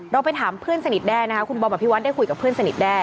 ไปถามเพื่อนสนิทแด้นะคะคุณบอมอภิวัตได้คุยกับเพื่อนสนิทแด้